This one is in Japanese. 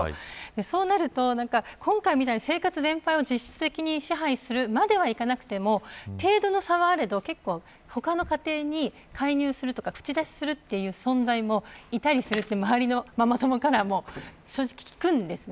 そうなると今回みたいに生活全般を実質的に支配するまではいかなくても程度の差はあれど結構、他の家庭に介入するとか口出しする存在もいたりすると周りのママ友からも正直、聞くんです。